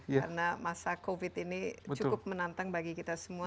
karena masa covid ini cukup menantang bagi kita semua